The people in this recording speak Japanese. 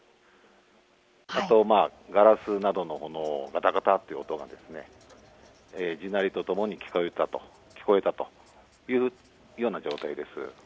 あとガラスなどのものががたがたという音が地鳴りとともに聞こえたというような状態です。